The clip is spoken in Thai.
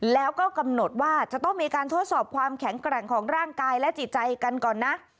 แล้วก็กำหนดว่าจะต้องมีการทดสอบความแข็งแกร่งของร่างกายและจิตใจกันก่อนนะ